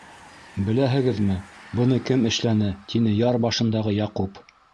- Беләһегеҙме, быны кем эшләне? - тине яр башындағы Яҡуп.